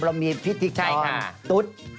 เรามีพิธีท้องตุ๊ด